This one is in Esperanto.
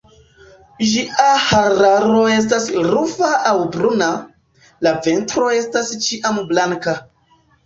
Ĝia hararo estas rufa aŭ bruna; la ventro estas ĉiam blanka.